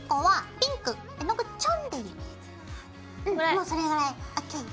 もうそれぐらいＯＫ。